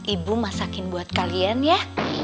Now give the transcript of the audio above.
ibu masakin buat kalian ya